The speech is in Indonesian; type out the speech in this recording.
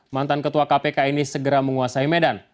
mantan ketua kpk ini segera menguasai medan